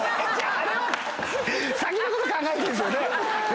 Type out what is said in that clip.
あれは先のこと考えてるんですよね。